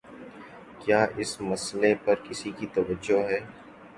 کیا اس مسئلے پر کسی کی توجہ ہے؟